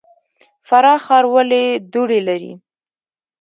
فراه ښار ولې دوړې لري؟